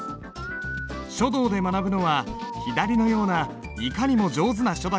書道で学ぶのは左のようないかにも上手な書だけではない。